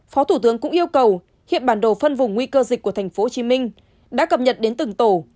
phó thủ tướng cũng yêu cầu hiện bản đồ phân vùng nguy cơ dịch của tp hcm đã cập nhật đến từng tổ